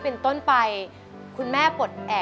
ร้องได้ร้องได้